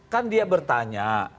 kan dia bertanya